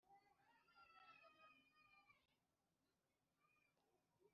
ibye bizungurwa ahanini n’abana be cyangwa n’abandi bo mu muryango we.